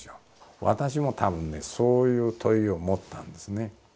私も多分ねそういう問いを持ったんですね。